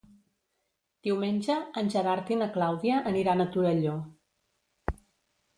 Diumenge en Gerard i na Clàudia aniran a Torelló.